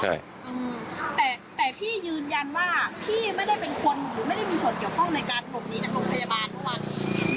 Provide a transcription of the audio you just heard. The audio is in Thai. แต่แต่พี่ยืนยันว่าพี่ไม่ได้เป็นคนหรือไม่ได้มีส่วนเกี่ยวข้องในการหลบหนีจากโรงพยาบาลเมื่อวานนี้